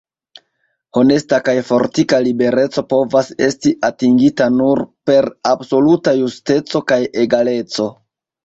Honesta kaj fortika libereco povas esti atingita nur per absoluta justeco kaj egaleco.